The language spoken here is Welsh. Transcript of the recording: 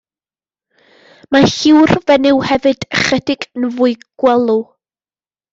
Mae lliw'r fenyw hefyd ychydig yn fwy gwelw.